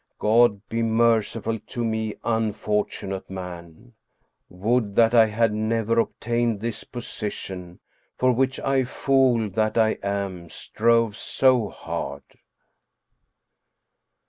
God be merciful to me, unfortunate man ! Would that I had never obtained this position for which I fool that I am strove so hard.